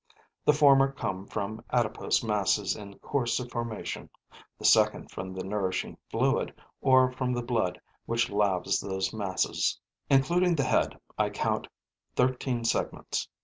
The former come from adipose masses in course of formation; the second from the nourishing fluid or from the blood which laves those masses. Including the head, I count thirteen segments.